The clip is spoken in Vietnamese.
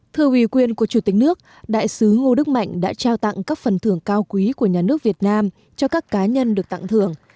thưa ủy quyền của chủ tịch nước đại sứ ngô đức mạnh đã trao tặng các phần thưởng cao quý của nhà nước việt nam cho các cá nhân được tặng thưởng